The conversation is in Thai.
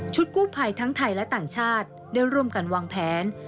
กู้ภัยทั้งไทยและต่างชาติได้ร่วมกันวางแผน